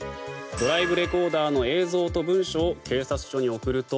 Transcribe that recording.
ドライブレコーダーの映像と文書を警察署に送ると。